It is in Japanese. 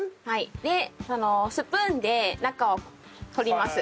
でスプーンで中を取ります。